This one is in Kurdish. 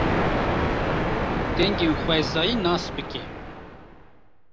Dengên xwezayî nas bike.